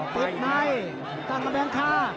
ติดไหนตั้งกับแบงค์ฆ่า